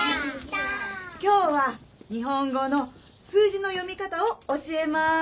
今日は日本語の数字の読み方を教えまーす。